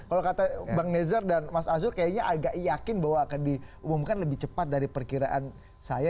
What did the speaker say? kalau kata bang nezar dan mas azul kayaknya agak yakin bahwa akan diumumkan lebih cepat dari perkiraan saya